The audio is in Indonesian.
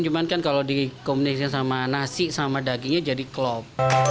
cuman kan kalau dikomunikasi sama nasi sama dagingnya jadi klop